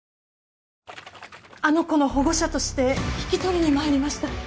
あの子の保護者として引き取りに参りました。